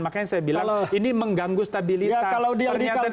makanya saya bilang ini mengganggu stabilitas pernyataan elit itu harus bijaksana